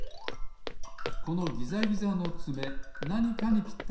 このギザギザのつめなにかにぴったりのかたちです。